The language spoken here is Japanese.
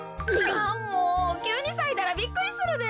あもうきゅうにさいたらびっくりするで。